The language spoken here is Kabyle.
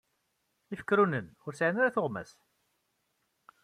Ifekrunen, ur sɛin ara tuɣmas.